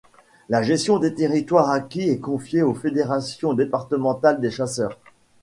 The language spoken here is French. La gestion des territoires acquis est confiée aux Fédérations départementales des Chasseurs.